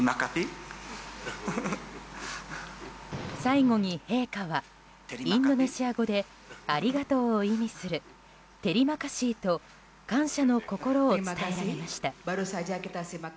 最後に陛下はインドネシア語でありがとうを意味するテリマカシーと感謝の心を伝えられました。